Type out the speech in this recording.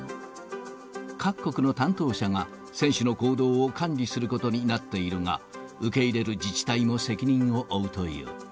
各国の担当者が選手の行動を管理することになっているが、受け入れる自治体も責任を負うという。